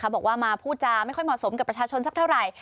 บอกว่ามาพูดจาไม่ค่อยเหมาะสมกับประชาชนสักเท่าไหร่